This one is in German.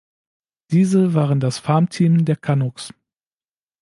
Diese waren das Farmteam der Canucks.